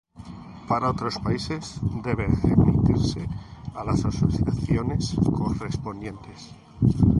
Para otros países, debe remitirse a las asociaciones correspondientes.